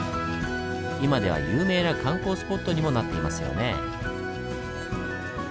今では有名な観光スポットにもなっていますよね。